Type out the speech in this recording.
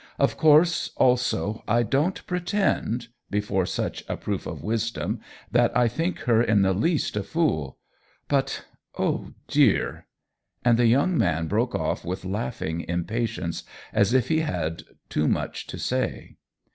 Of course, also, I don't pretend — be fore such a proof of wisdom — that I think her in the least a fool. But, oh, dear —!" And the young man broke off with laughing impatience, as if he had too much to say.